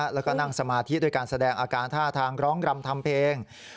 แล้วก็นั่งสมาธิด้วยการแสดงอาการท่าทางร้องรำทำเพลง